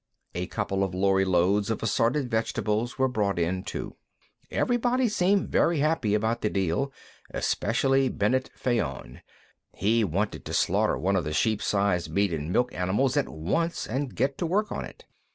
A couple of lorry loads of assorted vegetables were brought in, too. Everybody seemed very happy about the deal, especially Bennet Fayon. He wanted to slaughter one of the sheep sized meat and milk animals at once and get to work on it.